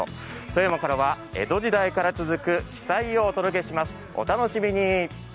富山からは江戸時代から続く奇祭をお届けします。